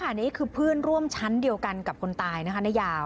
อันนี้คือเพื่อนร่วมชั้นเดียวกันกับคนตาย